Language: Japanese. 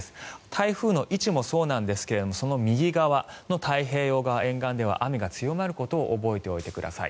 台風の位置もそうなんですがその右側の太平洋側沿岸では雨が強まることを覚えておいてください。